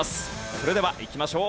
それではいきましょう。